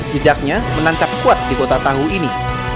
jejaknya menancap kuat di kota tahu ini